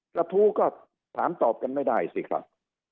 กระทู้ก็ถามตอบกันไม่ได้สิครับ